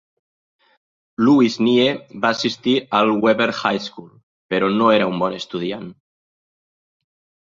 Louis Nye va assistir al Weaver High School, però no era un bon estudiant.